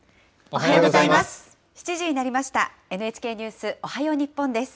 おはようございます。